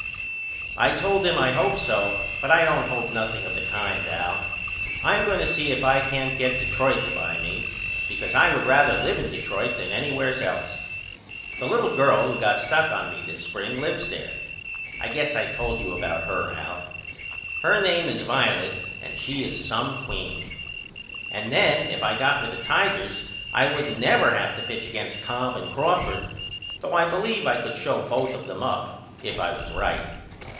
I told him I hoped so but I don't hope nothing of the kind Al. I am going to see if I can't get Detroit to buy me, because I would rather live in Detroit than anywheres else. The little girl who got stuck on me this spring lives there. I guess I told you about her Al. Her name is Violet and she is some queen. And then if I got with the Tigers I wouldn't never have to pitch against Cobb and Crawford, though I believe I could show both of them up if I was right.